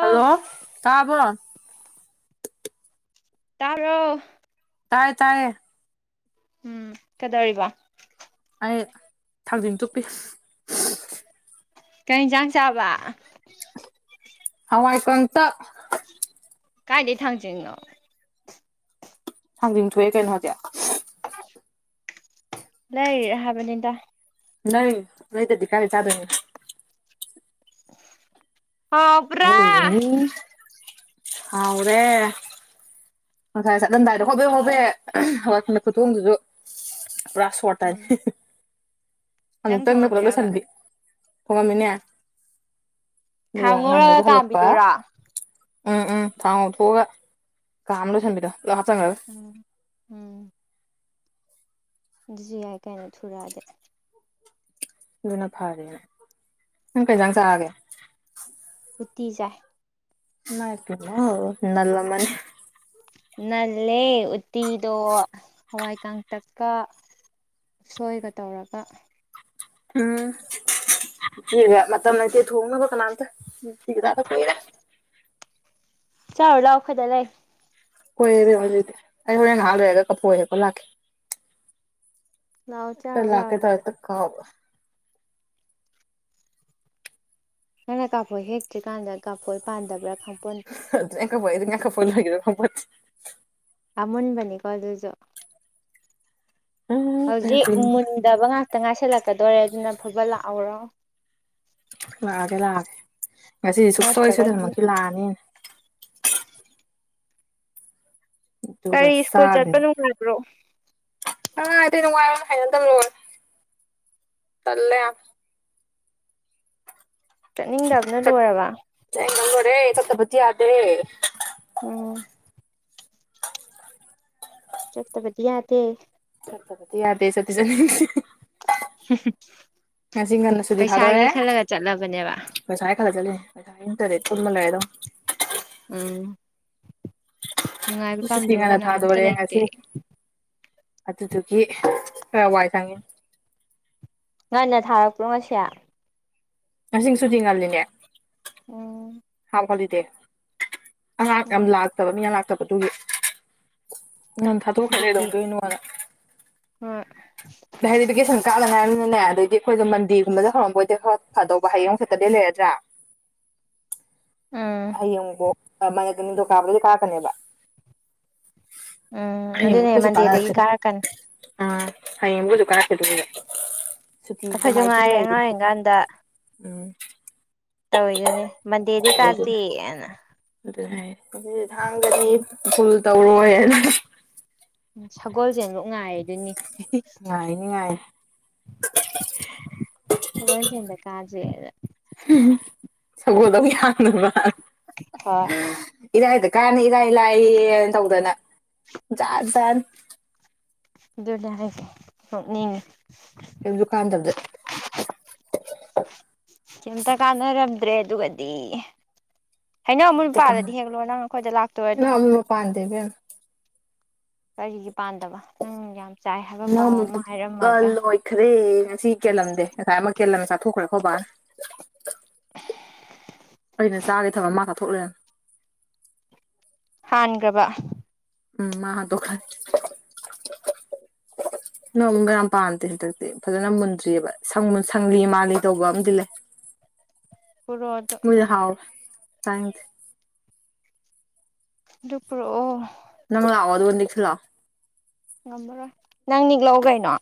Hello ꯇꯥꯕ꯭ꯔꯣ ꯇꯥꯕ꯭ꯔꯣ ꯇꯥꯏ ꯇꯥꯏꯌꯦ ꯎꯝ ꯀꯩꯗꯧꯔꯤꯕ ꯑꯩ ꯊꯥꯡꯖꯤꯟ ꯇꯨꯞꯄꯤ ꯀꯩ ꯌꯦꯟꯁꯥꯡ ꯆꯥꯕ ꯍꯋꯥꯏ ꯀꯥꯡꯇꯛ ꯀꯥꯏꯗꯒꯤ ꯊꯥꯡꯖꯤꯡꯅꯣ ꯊꯥꯖꯤꯡ ꯊꯣꯛꯑꯦ ꯀꯩꯅꯣ ꯍꯧꯖꯤꯛ ꯂꯩꯔꯤꯔ ꯍꯥꯏꯕꯅꯤꯗ ꯂꯩꯔꯤꯅꯤ ꯂꯩꯗ꯭ꯔꯥꯗꯤ ꯀꯥꯢ ꯆꯗꯣꯏꯅꯣ ꯍꯥꯎꯕ꯭ꯔꯥ ꯍꯥꯎꯋꯤ ꯍꯥꯎꯔꯦ ꯉꯁꯥꯏ ꯆꯠꯂꯝꯗꯥꯏꯗ ꯍꯣꯕꯦ ꯊꯥꯡꯖꯤꯡ ꯍꯣꯕꯦ ꯑꯃꯦꯠꯄ ꯍꯋꯥꯏꯗ ꯈꯨꯊꯣꯡꯗꯨꯁꯨ ꯄꯨꯔꯥ ꯁꯣꯔꯠ ꯇꯥꯅꯤ ꯎꯝ ꯅꯪ ꯑꯃꯨꯛꯇꯪꯗ ꯄꯨꯂꯞ ꯊꯣꯡꯉꯝꯃꯤꯔꯕ ꯂꯣꯢꯁꯟꯕꯤ ꯊꯣꯡꯉꯝꯃꯤꯅꯦ ꯊꯥꯎ ꯑꯗꯨꯒ ꯉꯧꯔꯒ ꯉꯟꯅꯖꯨ ꯍꯥꯟꯂꯛꯄ ꯀꯥꯝꯕꯤꯗꯨꯔꯣ ꯎꯝ ꯎꯝ ꯊꯥꯎ ꯉꯧꯊꯣꯛꯑꯒ ꯀꯥꯝꯃꯒ ꯂꯣꯏꯁꯤꯟꯕꯤꯗꯣ ꯄꯨꯂꯞ ꯍꯥꯞꯆꯤꯟꯈꯥ꯭ꯔꯒ ꯎꯝ ꯎꯝ ꯑꯗꯨꯖꯨ ꯌꯥꯏ ꯀꯩꯅꯣ ꯊꯨꯔꯛꯑꯗꯤ ꯑꯗꯨꯅ ꯐꯔꯦꯅ ꯅꯪ ꯀꯩꯖꯥꯡ ꯆꯥꯔꯒꯦ ꯎꯇꯤ ꯆꯥꯢ ꯢꯃꯥꯢꯄꯦꯝꯃ ꯅꯟꯂꯝꯃꯅꯤ ꯅꯟꯂꯦ ꯎꯠꯇꯤꯗꯣ ꯍꯋꯥꯏ ꯀꯥꯡꯇꯛꯀ ꯎꯁꯣꯏꯒ ꯇꯧꯔꯒ ꯎꯝ ꯎꯇꯤꯒ ꯃꯇꯝ ꯂꯩꯇꯦ ꯊꯣꯡꯅꯕ ꯀꯅꯥꯝꯇ ꯎꯇꯤꯒ ꯆꯗꯥ ꯀꯨꯏꯔꯦ ꯆꯥꯔꯨ ꯂꯥꯎ ꯑꯩꯈꯣꯢꯗ ꯂꯩ ꯍꯣꯢꯌꯦ ꯏꯕꯦꯝꯃꯥ ꯑꯗꯨꯗꯤ ꯑꯩ ꯍꯣꯔꯦꯟ ꯉꯍꯥꯛ ꯂꯩꯔꯒ ꯀꯐꯣꯢ ꯍꯦꯛꯄ ꯂꯥꯛꯀꯦ ꯂꯥꯛꯑꯣ ꯑꯝꯇ ꯆꯥꯔꯨ ꯂꯥꯎ ꯂꯛꯀꯦ ꯇꯧꯔꯒ ꯑꯗꯨꯗ ꯍꯦꯛꯇ ꯀꯥꯎꯕ ꯅꯪꯅ ꯀꯥꯐꯣꯏ ꯍꯦꯛꯇ꯭ꯔꯤꯀꯥꯟꯗ ꯀꯥꯐꯣꯏ ꯄꯥꯟꯗꯕ꯭ꯔꯥ ꯈꯪꯄꯣꯟꯇꯦ [unintelligible] ꯀꯐꯣꯏ ꯂꯣꯏꯒꯤꯕ꯭ꯔ ꯈꯪꯄꯣꯟꯇꯦ ꯑꯥꯃꯨꯟꯕꯅꯤꯀꯣ ꯑꯗꯨꯖꯨ ꯎꯝ ꯐꯔꯦ ꯍꯧꯖꯤꯛꯗꯤ ꯐꯔꯦ ꯃꯨꯟꯗꯕ ꯉꯥꯛꯇ ꯉꯥꯏꯁꯤꯜꯂꯛꯀꯗꯧꯔꯦ ꯑꯗꯨꯅ ꯐꯕꯠ ꯂꯥꯛꯍꯧꯔꯣ ꯂꯥꯛꯑꯒꯦ ꯂꯥꯛꯑꯒꯦ ꯉꯁꯤꯗꯤ ꯁꯨꯛꯁꯣꯏ ꯅꯠꯇ꯭ꯔꯒꯗꯤ ꯁꯣꯏꯗꯅꯃꯛꯀꯤ ꯂꯥꯛꯑꯅꯤ ꯑꯩꯅ ꯑꯗꯨꯒ ꯀꯔꯤ ꯁ꯭ꯀꯨꯜ ꯆꯠꯄ ꯅꯨꯡꯉꯥꯏꯕ꯭ꯔꯣ ꯑꯥ ꯑꯇꯩ [unintelligible] ꯍꯩꯅꯗꯕꯅ ꯂꯣꯏꯔꯦ ꯇꯟꯂꯦ ꯌꯥꯝ ꯆꯠꯅꯤꯡꯗꯕꯅ ꯂꯣꯏꯔꯕ ꯆꯠꯅꯤꯡꯗꯕꯅ ꯂꯣꯢꯔꯦ ꯆꯠꯇꯄꯇꯤ ꯌꯥꯗꯦ ꯎꯝ ꯆꯠꯇꯕꯗꯤ ꯌꯥꯗꯦ ꯆꯠꯇꯄꯗꯤ ꯌꯥꯗꯦ ꯆꯠꯇꯤ ꯆꯠꯅꯤꯡꯗꯦ ꯉꯁꯤ ꯉꯟꯅ ꯄꯩꯁꯥꯒꯤ ꯈꯜꯂꯒ ꯆꯠꯂꯕꯅꯦꯕ ꯄꯩꯁꯥꯒꯤ ꯈꯜꯂꯥ ꯆꯠꯂꯤꯅꯤ ꯄꯩꯁꯥ ꯅꯠꯇ꯭ꯔꯥꯗꯤ ꯇꯨꯝꯃ ꯂꯩꯔꯗꯧꯅꯤ ꯎꯝ ꯅꯨꯡꯉꯥꯏꯕ ꯁꯨꯇꯤ ꯄꯥꯝꯗꯕ ꯉꯟꯅ ꯀꯅꯥꯝꯇ ꯊꯥꯗꯣꯔꯦ ꯂꯩꯇꯦ ꯉꯁꯤ ꯑꯗꯨꯗꯨꯒꯤ ꯈꯔ ꯋꯥꯏ ꯁꯪꯉꯦ ꯉꯟꯅ ꯊꯥꯔꯛꯄ꯭ꯔꯣ ꯉꯁꯤ ꯉꯥꯁꯤ ꯁꯨꯇꯤ ꯉꯜꯂꯤꯅꯦ ꯑꯣ ꯍꯥꯞ ꯍꯣꯂꯤꯗꯦ ꯑꯉꯥꯡ ꯌꯥꯝ ꯎꯝ ꯂꯥꯛꯇꯕ ꯃꯤ ꯌꯥꯝ ꯂꯥꯛꯇꯕ ꯑꯗꯨꯒꯤ ꯉꯥꯟꯅ ꯊꯥꯗꯣꯛꯈ꯭ꯔꯥꯖꯦ ꯀꯩꯗꯧꯗꯣꯏꯅꯣꯅ ꯍꯣꯢ [unintelligible] ꯚꯦꯀꯦꯁꯟ ꯀꯗ ꯉꯥꯢꯔꯤꯕꯅꯤꯅꯅꯦ ꯑꯗꯩꯗꯤ ꯑꯩꯈꯣꯏꯁꯨ ꯃꯟꯗꯦꯒꯨꯝꯕꯗ ꯍꯧꯔꯝꯕꯣꯏꯗꯤ ꯈꯔ ꯐꯗꯧꯕ ꯍꯌꯦꯡꯃꯨꯛ ꯁꯦꯇꯔꯗꯦ ꯂꯩꯔꯗ꯭ꯔꯥ ꯎꯝ ꯍꯌꯦꯡꯕꯣꯛ [unintelligible] ꯅꯤꯡꯊꯧ ꯀꯥꯕꯗꯒꯤ ꯀꯥꯒꯅꯦꯕ ꯎꯝ ꯑꯗꯨꯅꯦ ꯃꯟꯗꯦꯗꯒꯤ ꯀꯥꯔꯛꯀꯅꯤ ꯎꯥ ꯍꯌꯦꯡꯕꯨꯖꯨ ꯀꯥꯔꯛꯇ꯭ꯔꯗꯤ ꯐꯕ ꯁꯨꯇꯤ ꯑꯩꯈꯣꯏꯁꯨ ꯅꯣꯡꯃꯥꯏꯖꯤꯡ ꯉꯥꯏꯔꯦ ꯂꯩꯔꯤ ꯑꯉꯥꯡ ꯑꯣꯏꯔꯤꯀꯥꯟꯗ ꯎꯝ ꯇꯧꯋꯤꯗꯨꯅꯦ ꯃꯟꯗꯦꯗꯩ ꯑꯗꯨꯗꯨꯅ ꯀꯥꯥꯖꯦꯑꯅ ꯑꯗꯨꯅꯦ ꯍꯥꯏꯖꯦ ꯑꯗꯨꯗꯤ ꯊꯥꯡꯖꯗꯤ ꯁ꯭ꯀꯨꯜ ꯇꯧꯔꯣꯏꯅ ꯎꯝ ꯁꯒꯣꯜꯁꯦꯜ ꯐꯥꯎ ꯉꯥꯏꯗꯨꯏꯅꯤ ꯉꯥꯏꯅꯤ ꯉꯥꯏꯅꯤ ꯁꯒꯣꯜꯁꯦꯜꯗ ꯀꯥꯁꯦꯅ ꯁꯒꯣꯜꯗ ꯑꯃꯨꯛ ꯌꯥꯟꯅꯕꯅ ꯍꯣꯏ ꯏꯔꯥꯏꯗ ꯀꯥꯅꯤ ꯏꯔꯥꯏ ꯂꯥꯏꯌꯦꯅ ꯇꯧꯗꯅ ꯖꯥꯠ ꯖꯥꯠ ꯑꯗꯨꯅꯦ ꯍꯥꯏꯁꯦ ꯅꫭꯛꯅꯤꯡꯑꯦ ꯀꯩꯝꯁꯨ ꯀꯥꯟꯗꯥꯕꯗ ꯀꯩꯇ ꯀꯥꯟꯅꯔꯝꯗ꯭ꯔꯦ ꯑꯗꯨꯒꯗꯤ ꯍꯩꯅꯧ ꯑꯃꯨꯟꯕ ꯀꯩꯝꯇ ꯄꯥꯜꯂꯗꯤ ꯍꯦꯛꯂꯥꯛꯑꫭ ꯅꯪ ꯑꯩꯈꯣꯏꯗ ꯂꯥꯛꯇꯣꯏ ꯑꫭꯏꯔꯗꯤ ꯄꯥꯟꯗꯦ ꯏꯕꯦꯝꯃꯥ ꯀꯔꯤꯒꯤ ꯄꯥꯟꯗꯕ ꯅꯪ ꯌꯥꯝ ꯆꯥꯏ ꯍꯥꯏꯕ ꯄꯥꯎ ꯑꯃ ꯍꯥꯏꯔꯝꯃꯒ ꯈꯔꯦ ꯉꯁꯤ ꯀꯦꯜꯂꯝꯗꯦ ꯉꯁꯥꯏ ꯑꯃ ꯀꯦꯜꯂꯝꯃꯦ ꯆꯥꯊꯣꯛꯈ꯭ꯔꯦ ꯑꯩꯈꯣꯏ ꯕꯥꯅ ꯑꯩꯅ ꯆꯥꯒ ꯊꯥꯝꯃ ꯃꯥ ꯆꯥꯊꫭꯛ ꯂꯩꯔꯝ ꯍꯟꯈ꯭ꯔꯕ ꯎꯝ ꯃꯥ ꯍꯟꯗꫭꯛ ꯈ꯭ꯔꯦ ꯍꯩꯅꯧ ꯑꯃꯨꯟꯕ ꯌꯥꯝ ꯄꯥꯟꯗꯦ ꯍꯟꯗꯛꯇꯤ ꯐꯖꯅ ꯃꯨꯟꯗ꯭ꯔꯤꯕ ꯁꯪ ꯁꯪꯂꯤ ꯃꯥꯜꯂꯤ ꯇꯧꯕ ꯑꯃꯗꯤ ꯂꯩ ꯄꯨꯔꯛꯑꯣ ꯑꯗꯨ ꯃꫭꯏꯗꫭ ꯍꯥꯎꯋꯦ ꯆꯥꯅꯤꯡꯗꯦ ꯑꯗꯨ ꯄꯨꯔꯛꯑꯣ ꯅꯪ ꯂꯥꯛꯑꯦ ꯑꯗꯨꯒ ꯅꯤꯛꯁꯦ ꯂꯥꯛꯑꯦ ꯉꯝꯃꯔꯣꯏ ꯅꯪ ꯅꯤꯛꯂꯥꯡꯎ ꯀꯩꯅꯣ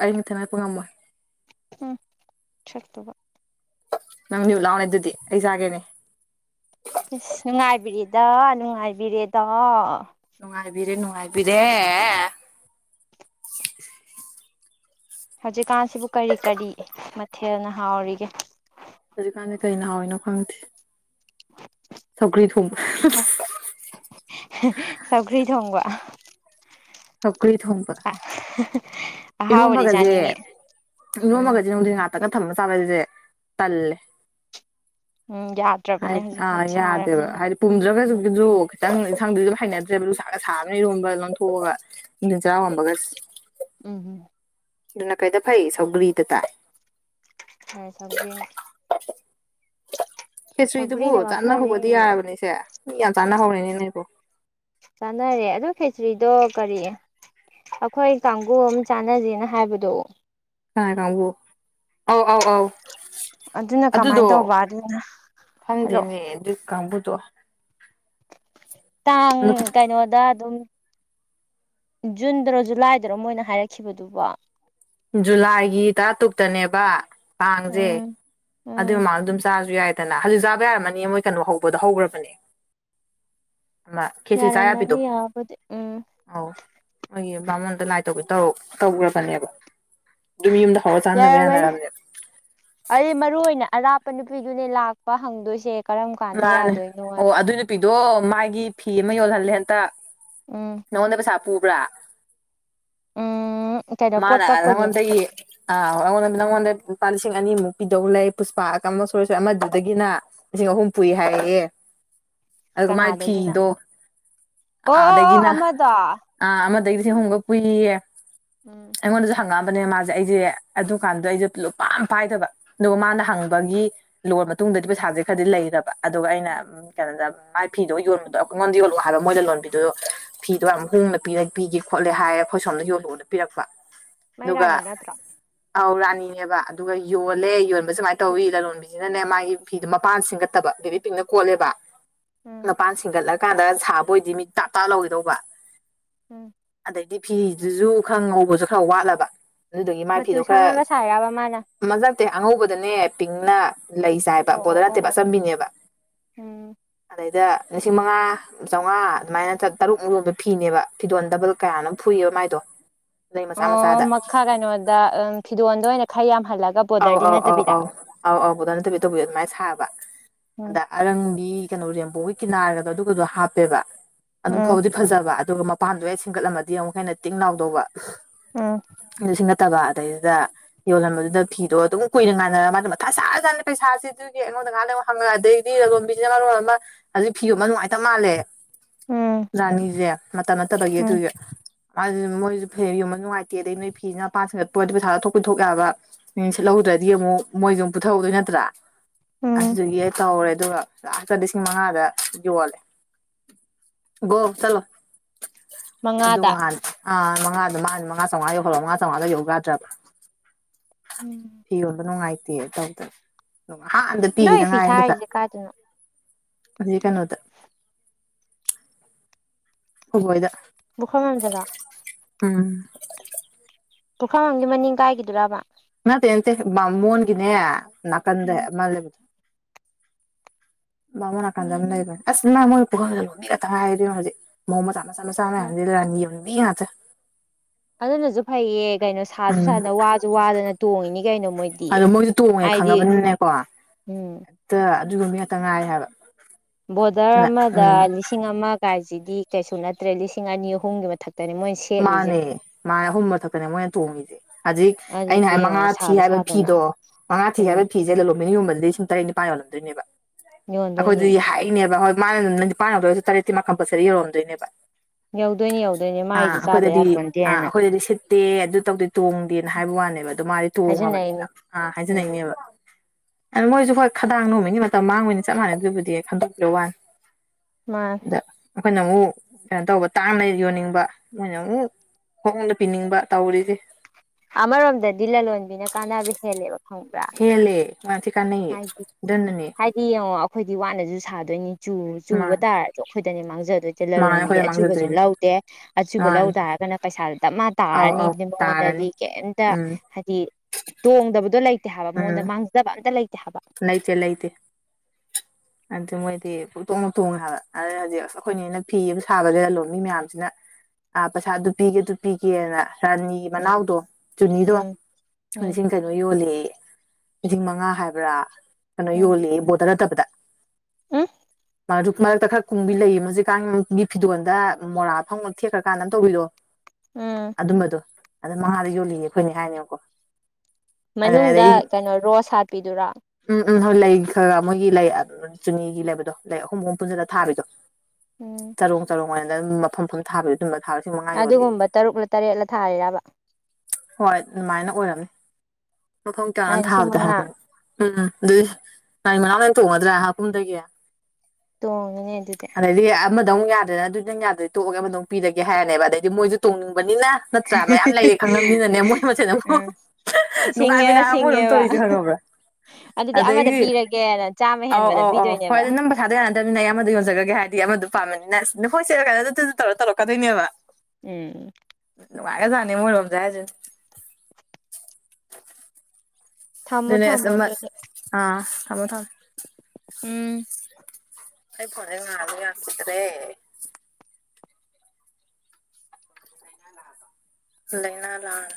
ꯑꯩ ꯏꯊꯥꯟ ꯅꯤꯛꯄꯥ ꯉꯝꯃꫭꯏ ꯎꯝ ꯁꯥꯛꯇꯨꯒ ꯅꯪ ꯅꯤꯛꯎ ꯂꯥꯎꯅꯦ ꯑꯗꯨꯗꯤ ꯑꯩ ꯆꯥꯒꯦꯅꯦ ꯏꯁ ꯅꯨꯡꯉꯥꯏꯕꯤꯔꯦꯗꯥ ꯅꯨꯡꯉꯥꯏꯕꯤꯔꯦꯗꯥ ꯅꯨꯡꯉꯥꯏꯕꯤꯔꯦ ꯅꯨꯡꯉꯥꯏꯕꯤꯔꯦ ꯍꯧꯖꯤꯛꯀꯥꯟꯁꯤꯕꯨ ꯀꯔꯤ ꯀꯔꯤ ꯃꯊꯦꯜꯅ ꯍꯥꯎꯔꯤꯒꯦ ꯍꯧꯖꯤꯛ ꯀꯥꯟꯗꯤ ꯀꯩ ꯍꯥꯎꯔꯤꯅꯣ ꯈꯪꯗꯦ ꯁꯧꯒ꯭ꯔꯤ ꯊꯣꯡꯕ ꯁꯧꯒ꯭ꯔꯤ ꯊꯣꯡꯕ ꯁꯧꯒ꯭ꯔꯤ ꯊꯣꯡꯕ [inaudible] ꯏꯔꯣꯝꯕꯒꯁꯦ ꯆꯥꯅꯤꯡꯉꯤ ꯎꯝ ꯏꯔꯣꯝꯕꯒꯁꯦ ꯅꯨꯡꯗꯤꯟ ꯉꯥꯛꯇꯒ ꯊꯝꯃꯥ ꯆꯥꯕꯁꯦ ꯇꯥꯜꯂꯦ ꯎꯝ ꯍꯥꯏ ꯌꯥꯗ꯭ꯔꯕꯅꯦ ꯑ ꯍꯧꯖꯤꯛꯀꯥꯟ ꯌꯥꯗꯦꯕ ꯁꯥꯔꯕꯅꯤꯅ ꯍꯥꯏꯗꯤ ꯄꯨꯨꯝꯗꯔꯒꯁꯨ ꯎꯝ [unintelligible] ꯇꯪ ꯏꯟꯁꯥꯡꯗꯨꯗꯤ ꯑꯗꯨꯝ ꯍꯩꯅꯗ꯭ꯔꯦꯕ ꯅꯨꯡꯁꯥꯒ ꯁꯥꯥꯕꯅ ꯏꯔꯣꯟꯕ ꯂꫭꯟꯊꯣꯛꯑꯒ ꯅꯨꯡꯊꯤꯟ ꯆꯔꯥ ꯋꯥꯟꯕꯒꯁꯦ ꯎꯝ ꯎꯝ꯫ ꯑꯗꯨꯅ ꯀꯩꯗ ꯐꯩ ꯁꯧꯒ꯭ꯔꯤꯗ ꯇꯥꯏ ꯐ꯭ꯔꯦ ꯁꯧꯒ꯭ꯔꯤꯅ ꯈꯦꯆ꯭ꯔꯤꯗꯨꯕꯨ ꯁꯧꯒ꯭ꯔꯤꯅ ꯆꯥꯅ ꯃꯐꯔꯦ ꯍꯧꯕꯗꯤ ꯌꯥꯔꯕꯅꯦꯁꯦ ꯃꯤ ꯌꯥꯝ ꯆꯥꯅꯍꯔꯦꯅꯦ ꯅꫭꯏꯕꯨ ꯆꯥꯟꯅꯔꯦ ꯑꯗꯣ ꯈꯦꯆ꯭ꯔꯤꯗꯣ ꯀꯔꯤ ꯑꯩꯈꯣꯏ ꯀꯥꯡꯒꯨ ꯑꯃ ꯆꯥꯅꯁꯦꯅ ꯍꯥꯏꯕꯗꯣ ꯀꯅꯥꯒꯤ ꯀꯥꯡꯒꯨ ꯑꯥꯎ ꯑꯥꯎ ꯑꯥꯎ ꯑꯗꯨꯅ ꯑꯗꯨꯗꯣ ꯀꯃꯥꯏꯅ ꯇꯧꯕ ꯑꯗꯨꯅ ꯍꯥꯏꯔꯛꯑꯣ ꯈꯪꯗꯦꯅꯦ ꯑꯗꯨꯒꯤ ꯀꯥꯡꯕꯨꯗꫭ ꯇꯥꯡ ꯀꯩꯅꯣꯗ ꯑꯗꯨꯝ ꯖꯨꯟꯗꯔꯣ ꯖꯨꯂꯥꯏꯗꯔꯣ ꯃꯣꯏꯅ ꯍꯥꯏꯔꯛꯈꯤꯕꯗꯨꯕꯣ ꯖꯨꯂꯥꯏꯒꯤ ꯇꯔꯥ ꯇꯔꯨꯛꯇꯅꯦꯕ ꯀꯥꯡꯁꯦ ꯎꯝ ꯎꯝ ꯑꯗꯨꯏ ꯃꯃꯥꯡ ꯑꯗꯨꯝ ꯆꯥꯔꯁꯨ ꯌꯥꯏ ꯗꯅ ꯍꯧꯖꯤꯛ ꯆꯥꯕ ꯌꯥꯔꯝꯃꯅꯤ ꯃꯣꯏ ꯀꯩꯅꯣ ꯍꯧꯕꯗꯣ ꯍꯧꯈ꯭ꯔꯕꯅꯦ ꯑꯃ ꯈꯦꯠꯆ꯭ꯔꯤ ꯆꯥ ꯌꯥꯕꯤꯗꯣ ꯌꯥꯔꯝꯃꯅꯤ ꯌꯥꯕꯨꯗꯤ ꯎꯝ ꯑꯧ ꯃꯣꯏꯒꯤ ꯕꯥꯃꯣꯟꯗꯣ ꯂꯥꯏ ꯇꯧꯕ ꯇꯧ ꯇꯧꯈ꯭ꯔꯕꯅꯦꯕ ꯑꯗꯨꯝ ꯌꯨꯝꯗ ꯍꯧꯔ ꯆꯥꯟꯅꯕ ꯌꯥꯔꯝꯃꯅꯤ ꯌꯥꯅꯔꯕꯅꯦꯕ ꯑꯩ ꯃꯔꯨ ꯑꯣꯏꯅ ꯑꯔꯥꯞꯄ ꯅꯨꯄꯤꯗꯨꯅꯦ ꯂꯥꯛꯄ ꯍꯪꯗꯣꯏꯁꯦ ꯀꯔꯝ ꯀꯥꯟꯗ ꯃꯥꯅꯦ ꯑꯣ ꯌꯥꯗꯣꯏꯅꯣꯅ ꯑꯗꯨꯏ ꯅꯨꯄꯤꯗꯣ ꯃꯥꯒꯤ ꯐꯤ ꯑꯃ ꯌꯣꯜꯍꯜꯂꯦ ꯍꯟꯇꯛ ꯎꯝ ꯅꯉꯣꯟꯗꯩ ꯄꯩꯁꯥ ꯄꯨꯕ꯭ꯔꯥ ꯎꯝ ꯀꯩꯅꯣ ꯄꯣꯠ ꯃꯥꯅ ꯑ ꯀꯛꯄꯒꯤꯅꯦ ꯅꯪꯉꯣꯟꯗꯒꯤ ꯑꯥ ꯑꯩꯉꯣꯟꯗ ꯅꯪꯉꯣꯟꯗ ꯂꯨꯄꯥ ꯂꯤꯁꯤꯡ ꯑꯅꯤꯃꯨꯛ ꯄꯤꯗꯧ ꯂꯩ ꯄꯨꯁꯄꯥ [unintelligible] ꯑꯃꯗꯨꯗꯒꯤꯅ ꯂꯤꯁꯤꯡ ꯑꯍꯨꯝ ꯄꯨꯏ ꯍꯥꯏꯌꯦꯌꯦ ꯑꯗꯨꯒ ꯃꯥꯏ ꯀꯅꯥꯗꯒꯤꯅ ꯐꯤꯗꯣ ꯑꯣ ꯑꯣ ꯑꯣ ꯑꯥꯗꯒꯤꯅ ꯑꯃꯗꯣ ꯑꯥ ꯑꯥꯃꯗꯒꯤ ꯂꯤꯁꯤꯡ ꯑꯍꯨꯝꯃꯨꯛꯀ ꯄꯨꯏꯌꯦꯌꯦ ꯎꯝ ꯑꯩꯉꯣꯟꯗꯁꯨ ꯍꯪꯉꯛꯑꯝꯕꯅꯦ ꯃꯥꯁꯦ ꯑꯩꯁꯦ ꯑꯗꯨ ꯀꯥꯟꯗ ꯑꯩꯁꯦ ꯂꯨꯄꯥ ꯑꯃꯇ ꯄꯥꯏꯗꯕ ꯑꯗꯨꯒ ꯃꯥꯅ ꯍꯪꯕꯒꯤ ꯂꯣꯟ ꯃꯇꯨꯡꯗꯗꯤ ꯄꯩꯁꯥꯁꯦ ꯈꯔꯗꯤ ꯂꯩꯔꯕ ꯑꯗꯨꯒ ꯑꯩꯅ ꯀꯩꯅꯣꯗ ꯃꯥꯏ ꯐꯤꯗꯣ ꯌꯣꯟꯕꯗꯣ ꯑꯩꯉꯣꯟꯗ ꯌꯣꯜꯂꯛꯑꯣ ꯍꯥꯏꯕ ꯃꯣꯏ ꯂꯂꯣꯟꯕꯤꯗꯨ ꯐꯤꯗꯣ ꯑꯃꯨꯛ ꯍꯣꯡꯅ ꯄꯤꯔ ꯄꯤꯒꯦ ꯈꯣꯠꯂꯦ ꯍꯥꯏꯔꯦ ꯑꯩꯈꯣꯏ ꯁꯣꯝꯗ ꯌꯣꯜꯂꯛꯑꯣꯅ ꯄꯤꯔꯛꯄ ꯃꯥꯏ ꯑꯗꯨꯒ ꯔꯥꯅꯤ ꯅꯠꯇ꯭ꯔꯣ ꯑꯧ ꯔꯥꯅꯤꯅꯦꯕ ꯑꯗꯨꯒ ꯌꯣꯜꯂꯦ ꯌꯣꯟꯕꯁꯦ ꯀꯃꯥꯏꯅ ꯇꯧꯋꯤ ꯂꯂꯣꯟꯕꯤ ꯂꯂꯣꯟꯕꯤꯁꯤꯅꯅꯦ ꯃꯥꯒꯤ ꯐꯤꯗꯣ ꯃꯄꯥꯟ ꯁꯤꯟꯒꯠꯇꯕ ꯕꯦꯕꯤ ꯄꯤꯡꯅ ꯀꯣꯠꯂꯦꯕ ꯎꯝ ꯃꯄꯥꯟ ꯁꯤꯟꯒꯠꯂ ꯀꯥꯟꯗ ꯁꯥꯕ ꯑꯣꯏꯗꯤ ꯃꯤꯠ ꯇꯥꯞ ꯇꯥꯥꯞ ꯂꯧꯒꯤꯗꯧꯕ ꯎꯝ ꯑꯗꯩꯗꯤ ꯐꯤꯗꯨꯁꯨ ꯈꯔ ꯉꯧꯕꯁꯨ ꯈꯔ ꯋꯥꯠꯂꯕ ꯑꯗꯨꯗꯨꯒꯤ ꯃꯥꯥꯏ ꯐꯤꯗꯣ ꯃꯆꯨ ꯈꯔ ꯁꯪꯉꯒ ꯁꯥꯏꯔꯕ ꯃꯥꯅ ꯃꯖꯛꯇꯦ ꯑꯉꯧꯕꯗꯅꯦ ꯄꯤꯡꯅ ꯂꯩ ꯆꯥꯏꯕ ꯑꯣ ꯑꯣ ꯕꯣꯗꯔ ꯑꯣ ꯅꯠꯇꯦꯕ ꯑꯣ ꯑꯣ ꯃꯤꯅꯦꯕ ꯎꯝ ꯑꯗꯩꯗ ꯂꯤꯁꯤꯡ ꯃꯉꯥ ꯆꯥꯎꯉꯥ ꯑꯗꯨꯃꯥꯏꯅ ꯆꯠ ꯇꯔꯨꯛ [unintelligible] ꯐꯤꯅꯦꯕ ꯐꯤꯗꯣꯟ ꯗꯕꯜ ꯀꯌꯥꯅꯣꯃ ꯐꯨꯏꯑꯦꯕ ꯃꯥꯏꯗꯣ ꯂꯩ ꯃꯆꯥ ꯑꯣ ꯃꯆꯥꯗ ꯃꯈꯥ ꯀꯩꯅꯣꯗ ꯎꯝ ꯐꯤꯗꯣꯟꯗ ꯑꯣꯏꯅ ꯈꯔ ꯌꯥꯝꯍꯜꯂꯒ ꯑꯧ ꯕꯣꯔꯗꯔꯗꯤ ꯑꯧ ꯑꯧ ꯅꯠꯇꯕꯤꯗ ꯑꯧ ꯑꯧ ꯑꯥꯎ ꯕꯣꯔꯗꯔ ꯅꯠꯇꯕꯤ [unintelligible] ꯑꯗꯨꯃꯥꯏꯅ ꯁꯥꯕ ꯎꯝ ꯑꯗ ꯑꯔꯪꯕꯤ ꯀꯩꯅꯣ ꯔꯦꯝꯕꯣꯒꯤ ꯀꯤꯅꯥꯔꯒꯗꯣ ꯑꯗꯨꯒꯗꯣ ꯍꯥꯞꯄꯦꯕ ꯑꯗꯨꯝ ꯎꯝ ꯐꯕꯨꯗꯤ ꯐꯖꯕ ꯑꯗꯨꯒ ꯃꯄꯥꯟꯗꯣ ꯍꯦꯛ ꯁꯤꯡꯒꯠꯂꯝꯃꯗꯤ ꯑꯃꯨꯛ ꯍꯦꯟꯅ ꯇꯤꯡ ꯂꯥꯎꯗꯧꯕ ꯎꯝ ꯑꯗꯨ [unintelligible] ꯅꯠꯇꯕ ꯑꯗꯩꯗꯨꯗ ꯌꯣꯜꯂꯝꯟꯕꯗꯨꯗ ꯐꯤꯗꯣ ꯑꯗꯨꯝ ꯀꯨꯏꯅ ꯉꯥꯏꯅꯔ ꯃꯥ ꯃꯊꯥꯥ ꯁꯥꯔꯖꯥꯅꯤ ꯄꯩꯁꯥꯁꯤ ꯑꯗꯨꯒꯤ ꯑꯩꯉꯣꯟꯗ ꯉꯥꯏꯍꯥꯛ ꯑꯃꯨꯛ ꯍꯪꯉꯛ ꯑꯗꯒꯤꯗꯤ ꯂꯂꯣꯟꯕꯤꯁꯤꯅ ꯃꯔꯣꯟ ꯑꯃ ꯍꯧꯖꯤꯛ ꯐꯤ ꯌꯣꯟꯕ ꯅꯨꯡꯉꯥꯏꯇꯕ ꯃꯥꯟꯂꯦ ꯎꯝ ꯔꯥꯅꯤꯁꯦ ꯃꯇꯝ ꯅꯠꯇꯕꯒꯤ ꯎꯝ ꯑꯗꯨꯒꯤ ꯃꯥꯁꯨ ꯃꯣꯏꯁꯨ ꯐꯤ ꯌꯣꯟꯕ ꯅꯨꯡꯉꯥꯏꯇꯦ ꯑꯗꯩ ꯅꯣꯏ ꯐꯤꯁꯤꯅ ꯃꯄꯥꯟ ꯁꯤꯡꯒꯠꯄ ꯑꯣꯏꯔꯗꯤ ꯄꯩꯁꯥ ꯊꯣꯛ ꯄꯤꯊꯣꯛ ꯌꯥꯕ ꯎꯝ ꯁꯤꯠꯍꯧꯗ꯭ꯔꯗꯤ ꯑꯃꯨꯛ ꯃꯣꯏꯁꯨ ꯑꯃꯨꯛ ꯄꯨꯊꯍꯧꯗꯣꯏ ꯅꯠꯇ꯭ꯔ ꯎꯝ ꯑꯗꯨꯗꯨꯒꯤ ꯇꯧꯍꯧꯔꯦ ꯑꯗꯨꯒ [unintelligible] ꯂꯤꯁꯤꯡ ꯃꯉꯥꯗ ꯌꯣꯜꯂꯦ ꯕꯣꯛ ꯆꯠꯂꯣ ꯑꯗꯨꯒ ꯃꯉꯥꯗ ꯉꯥꯍꯥꯟ ꯑ ꯃꯉꯥꯗꯣ ꯃꯥ ꯃꯉꯥ ꯆꯥꯎꯉꯥ ꯌꯧꯍꯧꯔꯕ ꯃꯉꯥ ꯆꯥꯝꯉꯥꯗ ꯌꯧ ꯌꯥꯗ꯭ꯔꯕ ꯎꯝ ꯐꯤ ꯌꯣꯟꯕ ꯅꯨꯡꯉꯥꯏꯇꯦ ꯇꯧꯗꯅ ꯅꯍꯥꯟꯗ ꯅꯣꯏ ꯄꯤꯈꯤꯗ ꯐꯤ ꯉꯥꯏꯔꯤ ꯄꯩꯁꯥ ꯊꯥꯔꯤꯁꯦ ꯀꯥꯏꯗꯅꯣ ꯑꯗꯨꯏ ꯀꯩꯅꯣꯗ ꯑꯩꯈꯣꯏ ꯕꯣꯛ ꯍꯣꯏꯗ ꯄꯨꯈ꯭ꯔꯝꯕꯝꯗꯔꯣ ꯎꯝ ꯄꯨꯈ꯭ꯔꯝꯕꯝꯒꯤ ꯃꯅꯤꯡ ꯂꯩꯀꯥꯏꯒꯤ ꯗꯨꯔꯕ ꯅꯠꯇꯦ ꯅꯠꯇꯦ ꯕꯥꯥꯃꯣꯟꯒꯤꯅꯦ ꯅꯥꯀꯟꯗ ꯎꯝ ꯑꯃ ꯂꯩꯕꯗꯣ ꯕꯥꯃꯣꯟ ꯅꯥꯀꯟꯗ ꯑꯃ ꯎꯝ ꯂꯩꯕꯅꯦ ꯑꯁ ꯏꯃꯥꯏ ꯃꯣꯏ ꯄꯨꯈꯔꯝꯕꯝꯗꯣ ꯃꯤ ꯉꯥꯛꯇ ꯉꯥꯏꯔꯦ ꯏꯕꯦꯃ ꯍꯧꯖꯤꯛ ꯃꯧ ꯃꯆꯥ ꯃꯆꯥ ꯃꯧ ꯃꯆꯥ ꯍꯣꯏ ꯃꯥꯌꯝꯁꯤꯅ ꯔꯥꯅꯤ ꯌꯣꯟꯕꯤ ꯉꯥꯛꯇ ꯑꯗꯨꯅꯁꯨ ꯐꯩꯌꯦ ꯀꯩꯅꯣ ꯁꯥꯁꯨ ꯎꯝ ꯁꯥꯗꯅ ꯋꯥꯁꯨ ꯋꯥꯗꯅ ꯇꯣꯡꯉꯤꯅꯤ ꯀꯩꯅꯣ ꯃꯣꯏꯗꯤ ꯑꯗꯣ ꯃꯣꯏꯁꯨ ꯇꯣꯡꯉꯦ ꯍꯥꯏꯗꯤ ꯎꯝ ꯇ ꯑꯗꯨꯒꯨꯝꯕ ꯉꯥꯛꯛꯇ ꯉꯥꯏ ꯍꯥꯏꯕ ꯕꯣꯔꯗꯔ ꯑꯗꯨꯅ ꯎꯝ ꯑꯃꯗꯁꯤꯡ ꯂꯤꯁꯤꯡ ꯑꯃ ꯀꯥꯏꯁꯤꯗꯤ ꯀꯩꯁꯨ ꯅꯠꯇ꯭ꯔꯦ ꯂꯤꯁꯤꯡ ꯑꯅꯤ ꯑꯍꯨꯝꯒꯤ ꯃꯊꯛꯇꯅꯦ ꯃꯣꯏ ꯃꯥꯅꯦ ꯃꯥ ꯑꯍꯨꯝ ꯃꯊꯛꯀꯅꯦ ꯃꯣꯏꯅ ꯇꯣꯡꯉꯁꯦ ꯍꯧꯖꯤꯛ ꯑꯗꯨꯗꯤ ꯑꯩꯅ ꯍꯥꯏ ꯃꯉꯥ ꯌꯦꯡꯉꯣ ꯊꯤ ꯁꯥꯗ ꯍꯥꯏꯕ ꯁꯥꯗꯅ ꯐꯤꯗꯣ ꯃꯉꯥ ꯊꯤ ꯍꯥꯏꯕ ꯎꯝ ꯐꯤ ꯅꯤꯒꯨꯝꯕꯗꯗꯤ ꯂꯤꯁꯤꯡ ꯇꯔꯦꯠ ꯅꯤꯄꯥꯜ ꯌꯣꯜꯂꯝꯗꯣꯏꯅꯦꯕ ꯌꯣꯟꯗꯣꯏꯅꯦ ꯑꯩꯈꯣꯏꯗꯗꯤ ꯍꯥꯏ ꯏꯅꯦꯕ ꯍꯣꯏ ꯃꯥ ꯅꯤꯄꯥꯟ ꯍꯧꯗꯔꯁꯨ ꯇꯔꯦꯠꯇꯤ ꯀꯝꯄꯜꯁꯔꯤ ꯌꯧꯔꯝꯗꯣꯏꯅꯦꯕ ꯌꯧꯗꯣꯏꯅꯦ ꯌꯧꯗꯣꯏꯅꯦ ꯃꯥꯒꯤꯁꯨ ꯆꯥꯗꯩ ꯌꯥꯛꯄꯅꯦ ꯑ ꯑꯩꯈꯣꯏꯗꯗꯤ ꯁꯤꯠꯇꯦ ꯑꯗꯨ ꯇꯧꯗꯦ ꯇꯣꯡꯗꯦꯅ ꯍꯥꯏꯕ ꯋꯥꯅꯦꯕ ꯑꯗꯣ ꯃꯥꯗꯤ ꯇꯣꯡꯉꯕꯅꯦꯕ ꯍꯥꯏꯖꯟꯅꯩꯅꯦ ꯑ ꯎꯝ ꯍꯥꯏꯪꯁꯤꯅꯅꯦꯕ ꯑꯗ ꯃꯣꯏꯁꯨ ꯍꯣꯏ ꯈꯗꯥꯡ ꯅꯨꯃꯤꯠꯀꯤ ꯃꯇꯝ ꯃꯥꯡꯉꯅꯤ ꯆꯞ ꯃꯥꯟꯅꯩ ꯑꯗꯨꯒꯤꯕꯨꯗꯤ ꯈꯟꯗꯣꯛꯄꯤꯔꯣ ꯋꯥꯅꯤ ꯃꯥꯅꯦ ꯑꯗ ꯑꯩꯈꯣꯏꯅ ꯑꯃꯨꯛ ꯀꯩꯅꯣ ꯇꯧꯕ ꯇꯥꯡꯅ ꯌꯣꯟꯅꯤꯡꯕ ꯃꯣꯏꯅ ꯑꯃꯨꯛ ꯈꯣꯡꯗ ꯄꯤꯅꯤꯡꯕ ꯇꯧꯔꯤꯁꯦ ꯑꯃꯔꯣꯝꯗꯗꯤ ꯂꯂꯣꯟꯕꯤꯅ ꯀꯥꯟꯅꯕ ꯍꯦꯜꯂꯦꯕ ꯈꯪꯕ꯭ꯔꯥ ꯍꯦꯂꯦ ꯃꯥ ꯊꯤ ꯀꯥꯅ ꯍꯥꯏꯗꯤ ꯗꯅꯅꯤ ꯍꯥꯏꯗꯤ ꯌꯦꯡꯉꯣ ꯑꯩꯈꯣꯏꯗꯤ ꯋꯥꯠꯅꯁꯨ ꯁꯥꯗꯣꯏꯅꯤ ꯆꯨꯕ ꯃꯥꯅꯦ ꯇꯥꯔꯗꯤꯣ ꯑꯩꯈꯣꯏꯗꯅꯦ ꯃꯥꯡꯖꯗꯣꯏ ꯃꯥꯅꯦ ꯆꯤꯂꯂꯣꯟꯣꯟꯕꯗꯤ ꯑꯩꯈꯣꯏꯗ ꯑꯆꯨꯕꯁꯨ ꯃꯥꯡꯖꯗꯣꯏꯅꯤ ꯂꯧꯗꯦ ꯑꯆꯨꯕ ꯂꯧ ꯃꯥꯅꯦ ꯇꯥꯔꯒꯅ ꯄꯩꯁꯥꯗꯨ ꯇꯞ ꯃꯥꯅ ꯑꯧ ꯇꯥꯔꯅꯤ ꯑꯧ ꯑꯗꯨꯗꯤ ꯃꯉꯣꯟꯗꯗꯤ ꯇꯥꯔꯅꯤ ꯀꯩꯝꯇ ꯎꯝ ꯍꯥꯏꯗꯤ ꯇꯣꯡꯗꯕꯗꯣ ꯂꯩꯇꯦ ꯍꯥꯏꯕ ꯃꯉꯣꯟꯗ ꯃꯥꯡꯖꯕ ꯑꯝꯇ ꯂꯩꯇꯦ ꯍꯥꯏꯕ ꯂꯥꯏꯇꯦ ꯂꯩꯥꯏꯇ‌ꯦ ꯑꯗꯨ ꯃꯣꯏꯗꯤ ꯄꯨꯇꯣꯡꯕ ꯇꯣꯡꯉꯦ ꯍꯥꯏꯕ ꯑꯗꯩ ꯍꯧꯖꯤꯛ ꯑꯁ ꯑꯩꯈꯣꯏꯅꯤꯅ ꯐꯤ ꯑꯃ ꯁꯥꯕꯗ ꯂ ꯂꯣꯟ ꯃꯤ ꯃꯌꯥꯝꯁꯤꯅ ꯑ ꯄꯩꯁꯥ ꯑꯗꯨ ꯄꯤꯒꯦ ꯑꯗꯨ ꯄꯤꯒꯦꯅ ꯔꯥꯅꯤ ꯎꯝ ꯃꯅꯥꯎꯗꯣ ꯆꯨꯅꯤꯗꯣ ꯎꯝ ꯎꯝ ꯂꯤꯁꯤꯡ ꯀꯩꯅꯣ ꯌꯣꯜꯂꯤ ꯂꯤꯁꯤꯡꯤꯡ ꯃꯉꯥ ꯍꯥꯏꯕ꯭ꯔꯥ ꯀꯩꯅꯣ ꯌꯣꯜꯂꯤ ꯕꯣꯔꯗꯔ ꯅꯠꯇꯕꯗ ꯑ ꯃꯔꯛꯇ ꯈꯔ ꯀꯨꯝꯕꯤ ꯂꯩꯌꯦ ꯃꯛ ꯀꯥꯡꯉꯒꯤ ꯐꯤꯗꯣꯟꯗ ꯃꯣꯔꯥ ꯐꯪꯕꯛ ꯊꯦꯛꯈ꯭ꯔ ꯀꯥꯟꯗ ꯑꯃ ꯇꯧꯕꯤꯛꯑꯣ [inaudible] ꯎꯝ ꯑꯗꯨꯝꯕꯗꯣ ꯑ ꯃꯉꯥꯗ ꯌꯣꯜꯂꯤꯅꯤ ꯑꯩꯈꯣꯏꯅꯦ ꯍꯥꯏꯅꯦꯕꯀꯣ ꯑꯗꯨꯅ ꯃꯅꯨꯡꯗ ꯑꯗꯩꯗꯤ ꯀꯩꯅꯣ ꯔꯣꯁ ꯍꯥꯠꯄꯤꯗꯨꯔꯥ ꯎꯝ ꯎꯝ ꯍꯣꯏ ꯂꯩ ꯈꯔ ꯈ ꯃꯣꯏꯒꯤ ꯂꯩ ꯆꯨꯅꯤꯒꯤ ꯂꯩꯕꯗꯣ ꯂꯩ ꯑꯍꯨꯝ ꯑꯍꯨꯝ ꯄꯨꯟꯁꯤꯗ ꯊꯥꯕꯤꯗꯣ ꯎꯝ ꯆꯔꯣꯡ ꯆꯔꯣꯡꯉꯗ ꯃꯐꯝ ꯃꯐꯝ ꯊꯥꯕꯤꯗꯨ ꯑꯗꯨꯝꯕ ꯊꯥꯕꯁꯨ ꯃꯉꯥ ꯌꯣꯜꯂꯤ ꯑꯗꯨꯒꯨꯝꯕ ꯇꯔꯨꯛꯂ ꯇꯔꯦꯠꯂ ꯊꯥꯔꯤꯔꯕ ꯍꯣꯏ ꯑꯗꯨꯃꯥꯏꯅ ꯑꯣꯏꯔꯝꯅꯤ ꯃꯐꯝ ꯂꯥꯏ ꯀꯌꯥꯅ ꯂꯤꯁꯤꯡ ꯊꯥꯕꯗ ꯃꯉꯥ ꯍꯥꯏꯕꯅꯦꯕ ꯎꯝ ꯑꯗꯨ ꯉ ꯃꯅꯥꯎ ꯂ ꯇꯣꯡꯉꯗ꯭ꯔꯥ ꯍꯥꯍꯄꯨꯝꯗꯒꯤ ꯇꯣꯡꯉꯅꯤ ꯑꯗꯨꯗꯤ ꯑꯗꯩꯗꯤ ꯑꯃꯗꯧꯛ ꯌꯥꯗ꯭ꯔꯅ ꯑꯗꯨꯏꯗꯪ ꯌꯥꯗ꯭ꯔꯗꯤ ꯇꯣꯛꯑꯒ ꯑꯃꯗꯧꯨ ꯄꯤꯔꯒꯦ ꯍꯥꯏꯔꯅꯦꯕ ꯑꯗꯩꯗꯤ ꯃꯣꯏꯁꯨ ꯇꯣꯡꯅꯤꯡꯕꯅꯤꯅ ꯅꯠꯇ꯭ꯔꯥ ꯃꯌꯥꯝ ꯂꯩꯔꯤꯦ ꯈꯪꯉꯕꯅꯤꯅꯅꯦ ꯃꯣꯏ ꯃꯁꯦꯅ ꯑꯃꯨꯛ ꯎꯝ ꯅꯨꯡꯉꯥꯏꯃꯤꯅ ꯁꯤꯡꯉꯦꯕ ꯃꯣꯏ ꯑꯃꯝ ꯁꯤꯡꯉꯦꯕ ꯇꯧꯔꯤꯁꯦ ꯈꯪꯉꯕ꯭ꯔꯥ ꯑꯗꯨꯗꯤ ꯑꯃꯗ ꯑꯗꯒꯤ ꯄꯤꯔꯒꯦꯅ ꯆꯥꯝꯃ ꯍꯦꯟꯕꯗ ꯄꯤꯗꯣꯏꯅꯦꯕ ꯄ ꯊꯥꯗ ꯌꯥꯅꯗꯕꯅꯤꯅ ꯑꯩ ꯑꯃꯗ ꯌꯣꯟꯖꯒꯦ ꯍꯥꯏꯗꯤꯗꯣ ꯄꯥꯝꯝꯕꯅꯤꯅ ꯅꯈꯣꯏ ꯆꯠꯂ ꯀꯩꯅꯣ ꯑꯗꯨ ꯇꯧꯔ ꯇꯧꯔꯛꯀꯗꯣꯏꯅꯦꯕ ꯎꯝ ꯅꯨꯡꯉꯥꯏꯦꯖꯅꯤ ꯃ ꯑꯣꯏ ꯍꯝꯖꯥꯏꯖꯦ ꯊꯝꯃꯣ ꯑꯥꯗꯨꯅꯦ ꯑꯁ ꯊꯝꯃꯣ ꯑꯃꯥ ꯑꯗꯨꯗꯤ ꯑꯥ ꯊꯝꯃꯣ ꯊꯝꯃꯣ ꯎꯝ ꯑꯩ ꯐꯣꯟꯖꯦ ꯉꯍꯥꯛ ꯑꯃꯨꯛ ꯌꯥꯈꯤꯗ꯭ꯔꯦ ꯂꯩꯅꯥ ꯂꯛꯑꯝꯃꯦ